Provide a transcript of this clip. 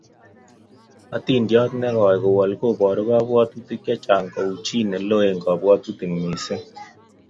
Hatindiondot ne koi kowol koboru kabwatutik chechang kou chi ne loen kabwatutik missing